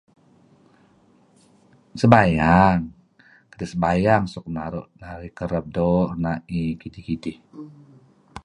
Sembayang, sembayang suk naru' narih doo' renaey kidih-kidih.